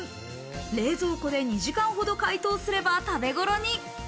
冷蔵庫で２時間ほど解凍すれば食べごろに。